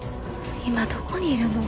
今どこにいるの？